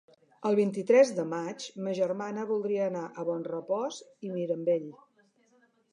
El vint-i-tres de maig ma germana voldria anar a Bonrepòs i Mirambell.